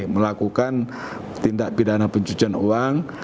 melakukan tindak pidana pencucian uang